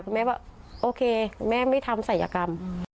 คุณแม่ว่าโอเคแม่ไม่ทำศัยกรรม